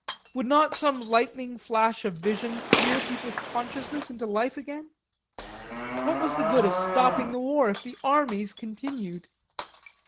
Would not some lightning flash of vision sear people's consciousness into life again? What was the good of stopping the war if the armies continued?